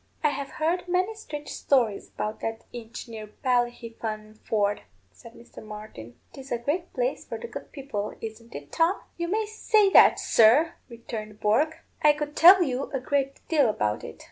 "I have heard many strange stories about that inch near Ballyhefaan ford," said Mr. Martin. "'Tis a great place for the good people, isn't it, Tom?" "You may say that, sir," returned Bourke. "I could tell you a great deal about it.